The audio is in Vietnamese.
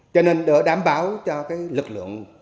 cho nên đã đảm bảo cho cái lực lượng